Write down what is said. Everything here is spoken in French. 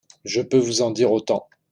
Je peux vous en dire autant.